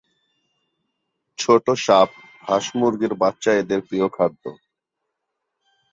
ছোট সাপ, হাঁস মুরগীর বাচ্চা এদের প্রিয় খাদ্য।